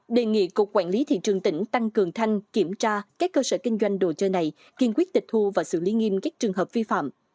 đề nghị cục quản lý thị trường tỉnh tăng cường thanh kiểm tra các cơ sở kinh doanh đồ chơi này kiên quyết tịch thu và xử lý nghiêm các trường hợp vi phạm